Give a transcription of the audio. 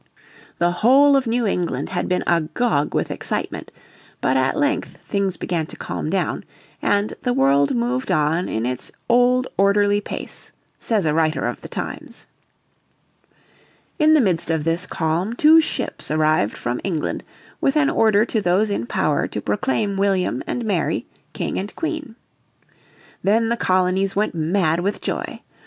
The whole of New England had been agog with excitement, but at length things began to calm down, and "the world moved on in its old orderly pace," says a writer of the times. In the midst of this calm two ships arrived from England with an order to those in power to proclaim William and Mary King and Queen. Then the colonies went mad with joy.